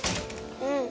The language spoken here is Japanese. うん。